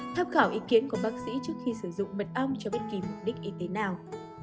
tham khảo ý kiến của bác sĩ trước khi sử dụng mật ong cho bất kỳ mục đích y tế nào